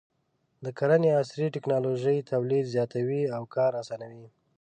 د کرنې عصري ټکنالوژي تولید زیاتوي او کار اسانوي.